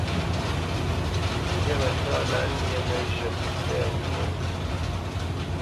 Ŋgwamǝtá lâ nyé mǝ́zhǝ̂ mbɛ ŋgyǝ ŋgû.